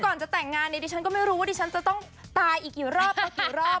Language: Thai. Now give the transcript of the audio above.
ก่อนจะแต่งงานเนี่ยดิฉันก็ไม่รู้ว่าดิฉันจะต้องตายอีกกี่รอบต่อกี่รอบ